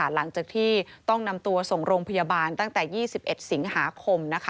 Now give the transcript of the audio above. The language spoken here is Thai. หลังจากที่ต้องนำตัวส่งโรงพยาบาลตั้งแต่๒๑สิงหาคม